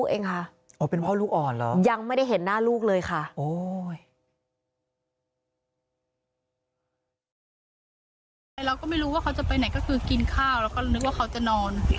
เราก็ไม่รู้ว่าเขาจะไปไหนก็คือกินข้าวแล้วก็นึกว่าเขาจะนอน